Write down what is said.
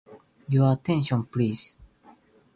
Your attention, please.